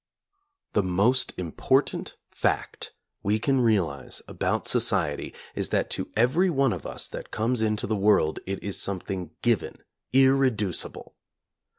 The most important fact we can realize about society is that to every one of us that comes into the world it is something given, irreducible.